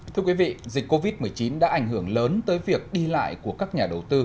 thưa quý vị dịch covid một mươi chín đã ảnh hưởng lớn tới việc đi lại của các nhà đầu tư